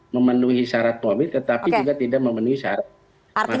memenuhi syarat mobil tetapi juga tidak memenuhi syarat material